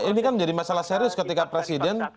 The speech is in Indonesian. ini kan menjadi masalah serius ketika presiden